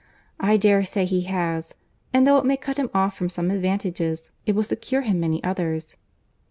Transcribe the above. I dare say he has; and though it may cut him off from some advantages, it will secure him many others."